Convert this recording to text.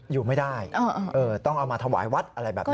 อยู่ไม่ได้ต้องเอามาถวายวัดอะไรแบบนี้